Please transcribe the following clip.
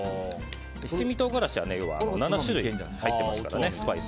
七味唐辛子は７種類入ってます